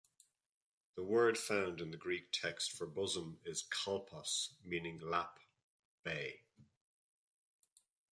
The word found in the Greek text for "bosom" is kolpos, meaning "lap" "bay".